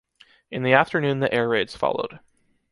In the afternoon the air raids followed.